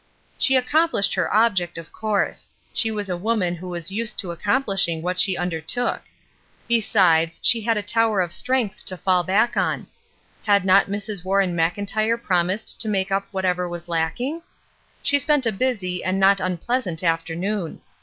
She accomplished her object, of course. She was a woman who was used to accomphshing what she undertook. Besides, she had a tower of strength to fall back on. Had not Mrs. Warren Mclntyre promised to make up what ever was lacking? She spent a busy and not unpleasant afternoon.